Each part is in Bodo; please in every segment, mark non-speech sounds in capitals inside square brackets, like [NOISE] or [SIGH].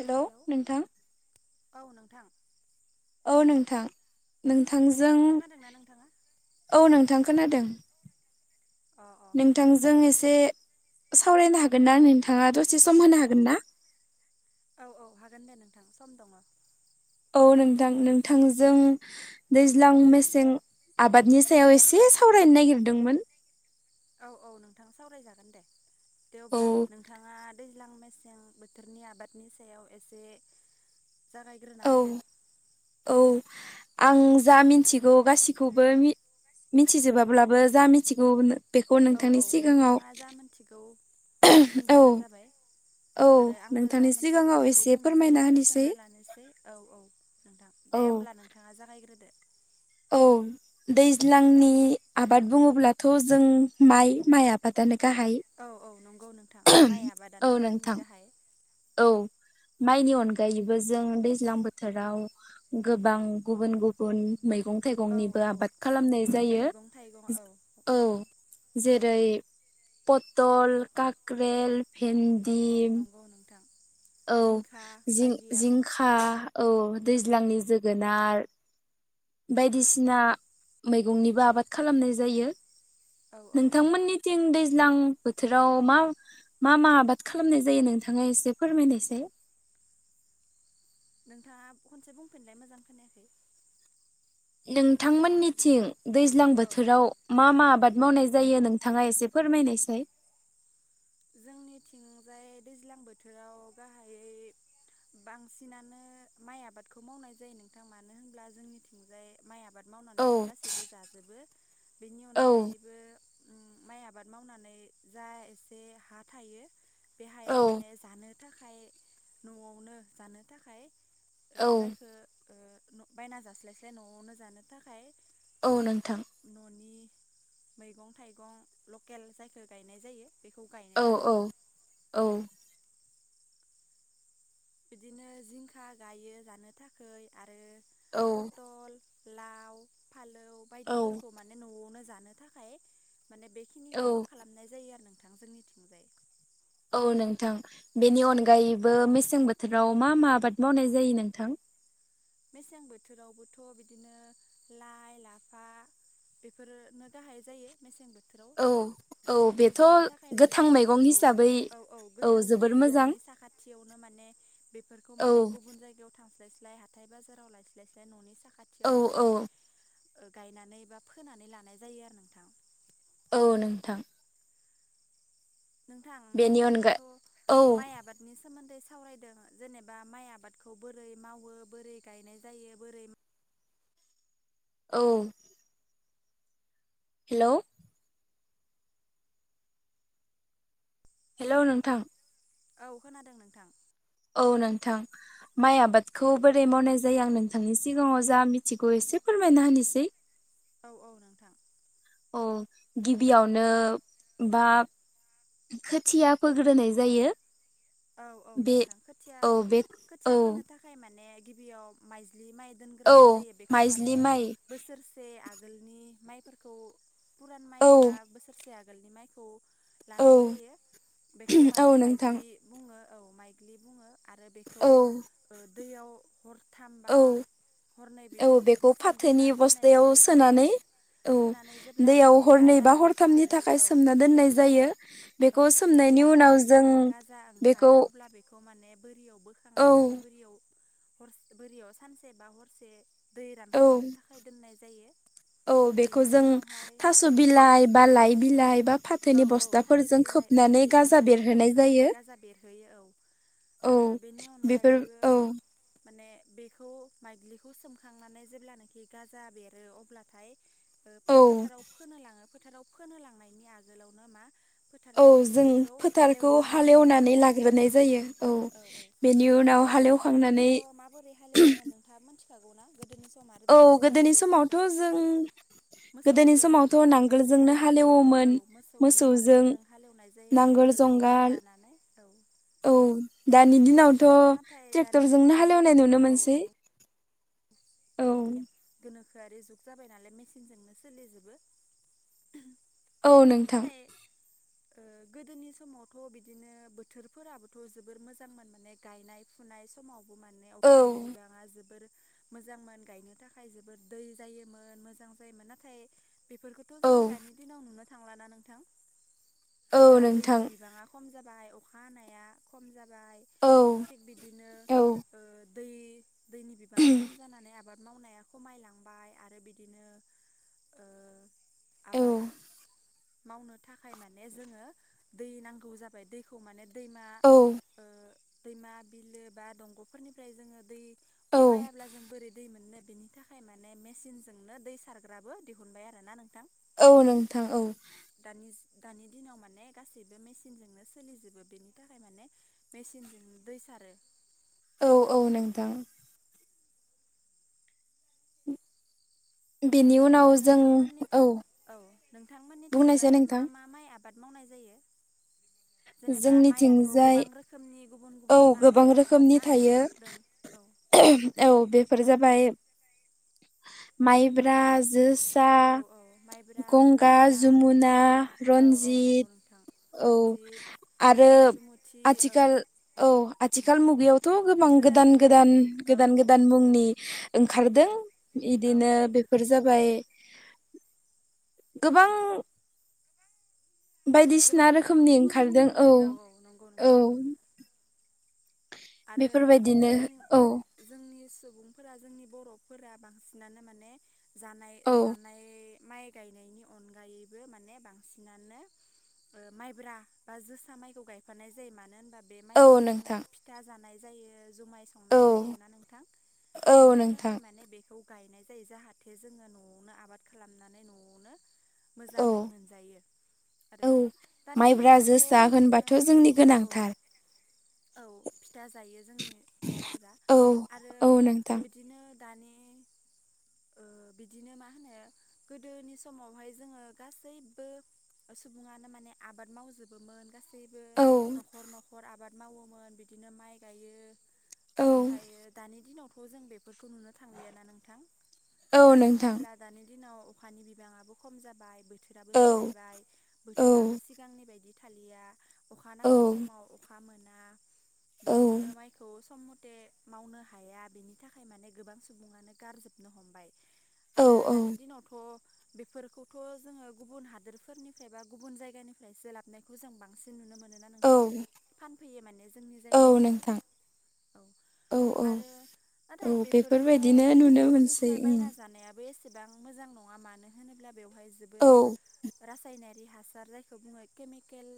हेल' हेलौ नोंथां औ नोंथां औ नोंथां खोना नोंथांजों खोनादोंना नोंथाङा औ नोंथां खोनादों अ अ नोंथांजों इसे सावरायनो हागोनना नोंथाङा दसे सम होनो हागोनना? औ औ हागोन दे नोंथां सम दङ। औ नोंथां नोंथांजों दैज्लां मेसें आबादनि सायाव एसे सावरायनो नायगिरदोंमोन औ औ नोंथां सावरायजागोन दे दे औ अब्ला नोंथाङा दैज्लां मेसें बोथोरनि आबादनि सायाव एसे जागायग्रोना औ होदो औ आं जा मिन्थिगौ गासिखौबो मिथ मिन्थिजोबाब्लाबो जा मिथिगौ नो औ औ नोंथाङा जा मोनथिगौ औ बुंब्लानो जाबाय। औ आरो आंबो जा नोंथांनि मोनथिगौ सिगाङाव बेखौ एसे बुंनोसै फोरमायना आरो होनोसै सोंना लानोसै औ औ नोंथां दे दे औ ओमब्ला नोंथाङा जागायग्रोदो औ दैज्लांनि आबाद बुङोब्लाथ' जों माइ माइ आबादानो गाहाय औ औ नंगौ नोंथां माइ औ आबादानो जोंनि नोंथां गाहाय औ माइनि अनगायैबो जों दैज्लां बोथोराव गोबां गुबुन गुबुन मैगं औ थाइगंनिबो औ आबाद खालामनाय जायो मैगं थाइगं औ औ जेरै पटल काक्रेल औ भेन्दि औ नंगौ नोंथां औ जिंखा बायदि आबाद जिं-जिंखा औ दैज्लांनि जोगोनार बायदिसिना मैगंनिबो आबाद खालामनाय जायो। औ औ नंगौ नोंथांमोननिथिं दैज लां बोथोराव मा मा मा आबाद खालामनाय जायो नोंथाङा एसे फोरमायनायसाय [INAUDIBLE] नोंथाङा खनसे बुंफिनलाय मोजां खोनायाखै नोंथांमोननिथिं दैज्लां औ बोथोराव मा मा आबाद मावनाय जायो नोंथाङा एसे फोरमायनायसाय जोंनिथिंजाय दैज्लां बोथोराव गाहायै बांसिनानो माइ आबादखौ मावनाय जायो नोंथां मानो होनब्ला जोंनिथिंजाय माइ आबाद औ मावनानैनो गासैबो जाजोबो बिनि औ अनगायैबो उम माइ आबाद मावनानै जा एसे हा थायो बे हायाव औ माने जानो थाखाय न'आवनो जानो थाखाय ओ औ जायखो ओ न बायना जास्लायस्लाय न'आवनो जानो थाखाय औ नोंथां। न'नि मैगं थाइगं लकेल जायखो गायनाय जायो। बेखौ औ गायनाय आरो औ औ बिदिनो जिंखा गायो गानो थाखै आरो औ पटल लाव फालौ औ बायदिफोरखौ माने न'आवनो जानो थाखाय माने बे औ खिनिखौ खालामनाय जायो आरो नोंथां जोंनि थिंजाय। औ नोंथां बेनि अनगायैबो मेसें बोथोराव मा मा आबाद मावनाय जायो नोंथां? मेसें बोथोरावबोथ' बिदिनो लाइ लाफा बेफोरनो गाहाय जायो मेसें बो औ औ बेथ' माने गोथां मैगं औ हिसाबै औ गोथां मैगं जोबोर मोजां न'नि साखाथियावनो माने बेफोरखौ औ माने गुबुन जायगायाव थांस्लायस्ल लाय हाथाय बाजाराव लायस्लाय लाायस्लाय न'नि औ साखाथियावनो औ माने गायनानै बा फोनानै लानाय जायो आरो नोंथां औ नोंथां नोंथां बेनि अनगा नोंथाङाथ' औ माइ आबादनि सोमोन्दै सावरायदों जेनेबा माइ आबादखौ बोरै मावो बोरै गायनाय जायो बोरै माव औ हेलौ हेलौ नोंथां औ खोनादों नोंथां औ नोंथां माइ आबादखौ बोरै मावनाय जायो आं नोंथांनि सिगाङाव जा मिथिगौ एसे फोरमाय [UNINTELLIGIBLE] निसै औ औ नोंथां औ गिबियावनो बा खोथिया फोग्रोनाय जायो औ औ बे नोंथां खोथिया औ बे खोथिया औ फोनो थाखाय माने गिबियाव माइ लि माइ औ दोनग्रोनाय जायो बेखौ माने माइज्लि माइ बोसोरसे आगोलनि माइफोरखौ फुरान माइ औ एबा बोसोरसे आगोलनि माइखौ औ लानाय जायो बेखौ औ माने नोंथां माइग्लि बुङो औ माइग्लि बुङो आरो बेखौ औ दैयाव हरथामबा औ हरनै औ बेखौ बेफोरबायदि फाथोनि सोमग्रोना दोननाय बस्थायाव जायो औ सोनानै औ औ सोनानै जेब्ला दैयाव बियो हरनै गाजा बा हरथामनि ओंखारो थाखाय औ सोमना दोननाय जायो औ बेखौ सोमनाय बेनि जेब्ला उनाव जों बेयो गाजा बेखौ ओंखारो अब्ला बेखौ माने बोरियाव औ बोखांनानै बोरियाव हरसे बोरियाव सानसे बा हरसे दै औ रानखांनो थाखाय दोननाय जायो औ बेखौ बेनि जों उनावहाय थास' औ बिलाइ बा लाइ बिलाइ बा औ फाथोनि औ थालिर बस्थाफोरजों खोब होननानै गाजा बेरहोनाय जायो जा बेेरहोयो औ औ आरो बेनि बेफोर अनगायैबो औ माने बेखौ माइग्लिखौ सोमखांनानै जेब्लानोाखि गाजा बेरो अब्लाथाय औ फोथाराव फोनो लाङो फोथाराव फोनो लांनायनि आगोलावनो मा औ फोथारखौ जों दुब्लिखौ फोथारखौ हालेवग्रोनाय जायोना हालेवनानै नोंथां लाग्रोनाय जायो औ बेनि उनाव गोदोनि हालेवखांनानै मिथिखागौना गोदोनि सम आरो औ दानि समाव गोदोनि बोरै समावथ' जाखो जों गोदोनि मोसौजों समावथ' औ नांगोलजोंनो हालेवोमोन मोसौजों नांगोलजों हालेवनाय जायोमोन नांगोल नांगोल जंगाल लानानै औ औ दानि दिनाव थ' नाथाय दानि ट्रेक्टरजोंनो दिनावथ' हालेवनाय नुनो मोनसै ग औ [UNINTELLIGIBLE] गोनोखोआरि जुग जाबाय नालाय मेसिनजोंनो सोलिजोबो औ नोंथां नाथाय गोदोनि समावथ' बिदिनो बोथोरफोराबोथ' जोबोर मोजांमोन माने गायनाय फुनाय समाव माने औ अखानि बिबाङा जोबोर मोजांमोन गायनो थाखाय जोबोद दै जायोमोन मोजां जायोमोन नाथाय बेफोरखौथ' औ जों दानि दिनाव नुनो थांलाना नोंथां औ जेराव नोंथां दैनि बिबाङा खम जाबाय अखा हानाया खम जाबाय औ औ [UNINTELLIGIBLE] बिबाङा खम जानानै आबाद मावनाया खमायलांबाय आरो बिदिनो औ आबाद मावनो थाखाय माने जोङो दै नांगौ जाबाय दैखौ माने दैमा औ ओ दैमा बिलो बा दंग'फोरनिफ्राय जोङो दै औ अखायाब्ला जों बोरै दै मोननो बिनि थाखाय माने मेसिनजोंनो दै सारग्राबो दिहुनबाय आरो ना नोंथां औ नोंथां औ दानि दानि दिनाव माने गासैबो मेसिनजोंनो सोलिजोबो बेनि थाखाय माने मेसिनजों दै सारो औ औ नोंथां बेनि उनाव बिदिनो जों औ नोंथांमोनथिं औ बुंनायसै नोंथांमोननिथिंजाय मा नोंथां मा माइ आबाद आबाद मावनाय जायो जेनेबा माइयाथ' जोंनिथिंजाय गोबां रोखोमनि गुबुन औ गुबुन नाम गोबां रोखोमनि दंना मुं थायो दं औ औ बेफोर जाबाय माइब्रा जोसा औ औ माइब्रा गंगा जोसा जमुना औ औ नंगौ रन्जित नोंथां औ रन्जित आरो आरो बायसुमुथि औ आथिखाल औ आथिखाल मुगायावथ' गोबां गोदान गोदान ओंखा औ गोदान औ गोदान मुंनि ओंखारदों औ इदिनो औ बेफोर जाबाय गोबां बायदिसिना गोबां गुबुन रोखोमनि गुबुन ओंखारदों औ रोखोमनि नंगौ औ नोंथां आरो बेफोरबायदिनो जों औ जोंनि सुबुं सुबुंफोरा जोंनि बर'फोरा बांसिनानो माने जानाय औ जानाय माइ गायनायनि अनगायैबो माने बांसिनानो माइब्रा बा जोसा माइखौ गायफानाय जायो मानो होनबा बे औ माइखौ जोङो नोंथां फिथा जानाय जायो जुमाय औ संनाय जायोना नोंथां औ बेनि नोंथां थाखाय माने बेखौ खौ गायनाय जायो जाहाथे जोङो न'आवनो आबाद खालामनानै न'आवनो औ मोजाङै मोनजायो आरो औ दानि माइब्रा दिनावथ' जोसा बिदिनो होनबाथ' जोंनि औ औ गोनांथार औ फिथा जायो जोंनि बर' फोरसा औ आरो औ नोंथां बिदिनो दानि ओ बिदिनो मा होनो गोदोनि समावहाय जोङो गासैबो सुबुङानो माने आबाद मावजोबोमोन गासैबो औ न'खर न'खर आबाद मावोमोन बिदिनो माइ गायो औ ओमफ्रायायो दानि दिनावथ' जों बेफोरखौ नुनो थांलियाना नोंथां औ मानो नोंथां होनोब्ला दानि दिनाव अखानि बिबाङाबो खम जाबाय बोथोर बोथोराबो औ सोलायबाय बोथोराबो सिगांनि बायदि थालिया अखा औ नांगौ समाव अखा मोन जाहाथे मावनो हाया बेनि थाखाय माने गोबां सुबुङानो गारजोबनो हमबाय औ आरो दानि दिनावथ' बेफोरखौथ' जोङो गुबुन हादोरफोरनिफ्राय बा गुबुन जायगानिफ्रायसो लाबनायखौ जों बांसिन नुनो मोनो मोनोना औ नोंथां फानफैयो माने जोंनि जायगायाव औ नोंथां औ औ आरो औ नाथाय बेफोरखौ बेफोरबायदिनो नुनो मोनसै गुबुननिफ्राय उम बायना जानायाबो एसे बेसेबां मोजां नङा मानो होनोब्ला बेवहाय औ जोबोर रासायनारि हासार जायखौ बुङो केमिकेल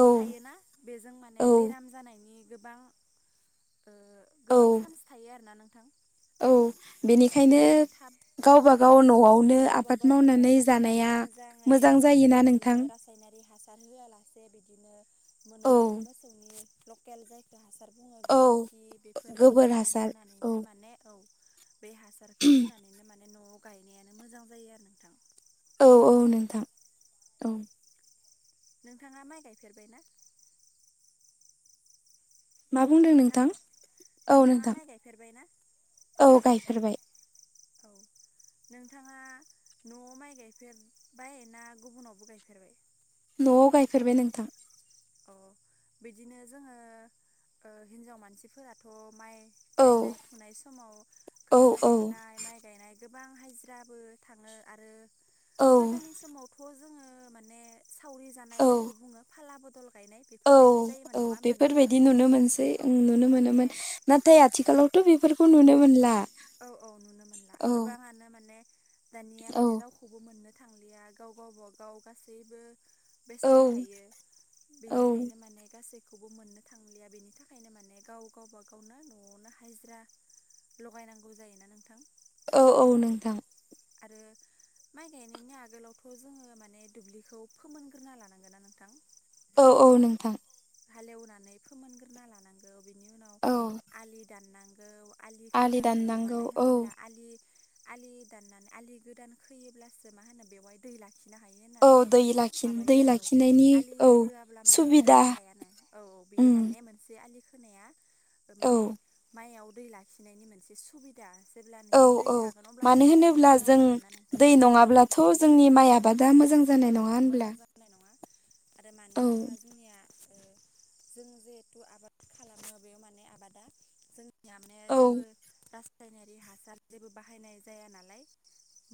औ थायोना बेजों माने औ बेराम जानायनि गोबां ओ गोबां चान्स थायो आरोना नोंथां औ औ बेनिखायनो माने थाब औ गावबा गाव न'आवनो गावबा आबाद गाव न'आव मावनानै माने जानाया मोजाङै मोजां ओ जायोना बिदिनो नोंथां रासायनारि हासार होआलासे बिदिनो औ न'नि मोसौनि लकेल जायखौ हासार बुङो औ गोबोरखि गोबोर बेफोरबायदिखौ हासार औ होनानैनो माने औ बे हासारखौ होनानैनो माने न'आव गायनायानो मोजां जायो आरो नोंथां औ औ नोंथां औ नोंथाङा माइ गायफेरबायना मा बुंदों नोंथां औ नोंथाङा नोंथां माइ गायफेरबायना औ गायफेरबाय औ [INAUDIBLE] नोंथाङा न'आव माइ गायफेरबाय ना गुबुनावबो गायफेरबाय न'आव गायफेरबाय नोंथां अ बिदिनो जोङो हिनजाव मानसिफोराथ' माइ औ गायनाय फुनाय समाव औ खोथिया औ फुनाय माइ गायनाय गोबां हाजिराबो थाङो आरो औ गोदोनि समावथ' जोङो माने सावरि जानाय औ जायखौ बुङो फालाबो औ औ नोंथां बेफोरबायदि नुनो मोनसै औ नुनो माने मोनोमोन नाथाय आथिखालावथ' बेफोरखौ खौ नुनो मोनला औ औ नुनो मोनला औ गोबाङानो माने दानिया औ माने रावखौबो मोननो थांलिया गाव गावब गाव गासैबो औ बेस्थ' थायो औ बेनिखायनो माने गासै बे खौबो मोननो थांलिया बेनि थाखायनो माने गाव गावब गावनो न'आवनो हाजिरा लगायनांगौ जायोना नोंथां औ औ नोंथां आरो माइ गायनायनि आगोलावथ' जोङो माने दुब्लिखौ फोमोनग्रोना लानांगोन ना नोंथां औ औ नोंथां हालेवनानै फोमोनग्रोना लानांगौ बिनि औ उनाव आलि दाननांगौ आलि खोनांगौ दाननांगौ मानो औ होनोब्ला आलि आलि दाननानै आलि गोदान खोयोब्लासो मा होनो बेवहाय दै लाखि िनो हायो औ होननानै दै लाखि दै माबायो आरो औ लाखिनायनि आलि औ होआब्ला माने दै सुबिदा थ औ औ बेयो उम माने मोनसे आ खोनाया औ माने म दै लाखिनायनि मोनसे सुबिदा औ जेब्लानोखि दै औ थागोन अब्लासो मानो माइयाबो होनोब्ला मोजां जों जागोन ना नोंथां दै नङाब्लाथ' जोंनि माइ आबाद दा मोजां औ जानाय नङा औ मोजां होनब्ला जानाय नङा आरो मानो औ होनबा जोंनिया आरो जों जिहेथु आबाद खालामो बेयाव माने आबादा जों जोंया माने औ जेबो रासायनारि हासार जेबो बाहायनाय जाया नालाय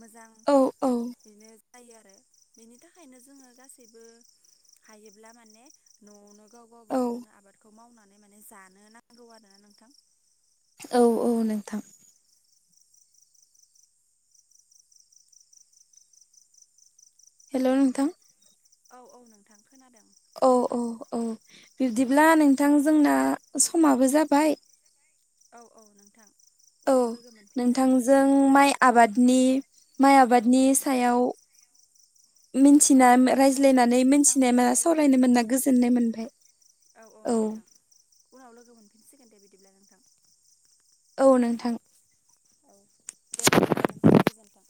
मोजां औ औ बेनो जायो आरो बिनि थाखायनो जोङो गासैबो हायोब्ला माने न'आवनो गाव औ गावबा गावनो आबादखौ मावनानै माने जानो नांगौ आरोोना नोंथां औ औ नोंथां हेलौ नोंथां औ औ नोंथां खोनादों औ औ औ बिब्दिब्ला नोंथां जोंना समाबो जाबाय औ औ नोंथां औ उनाव लोगो मोन नोंथांजों माइ आबादनि माइ औ आबादनि सायाव मिथिना सावरायनो मोनना जोबोर रायज्लायनानै मोजां मोनथिनाय मा मोनबाय औ सावरायनो मोना गोजोननाय मोनबाय औ औ नोंथां उनाव लोगो मोनफिनसिगोन दे बिदिब्ला नोंथां औ नोंथां औ दे बिदिब्ला नोंसां गोजोन्थों